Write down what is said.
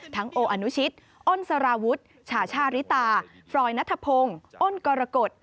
โออนุชิตอ้นสารวุฒิชาชาริตาฟรอยนัทพงศ์อ้นกรกฎ